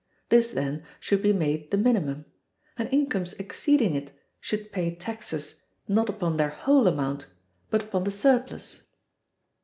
This then should be made the minimum, and incomes exceeding it should pay taxes not upon their whole amount, but upon the surplus.